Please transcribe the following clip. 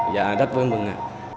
dạ rất vui mừng ạ